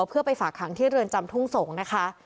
เพื่อไปฝากขังที่เรือนจำทุ่งสงศ์นะคะ